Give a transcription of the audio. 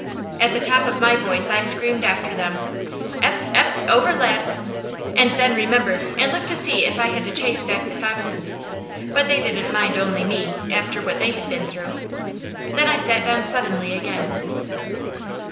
At the top of my voice I screamed after them, "Ep! Ep! Over lad!" and then remembered and looked to see if I had to chase back the foxes, but they didn't mind only me, after what they had been through. Then I sat down suddenly again.